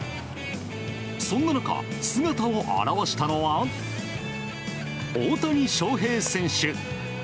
そんな中、姿を現したのは大谷翔平選手。